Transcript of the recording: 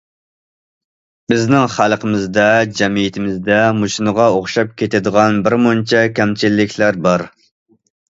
بىزنىڭ خەلقىمىزدە، جەمئىيىتىمىزدە مۇشۇنىڭغا ئوخشاپ كېتىدىغان بىر مۇنچە كەمچىلىكلەر بار.